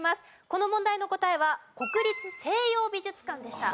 この問題の答えは国立西洋美術館でした。